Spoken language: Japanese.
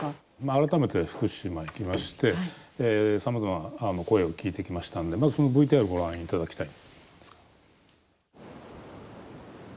改めて福島行きましてさまざまな声を聞いてきましたんでまず、そのＶＴＲをご覧いただきたいです。